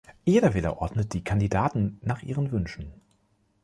Jeder Wähler ordnet die Kandidaten nach ihren Wünschen.